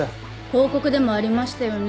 報告でもありましたよね。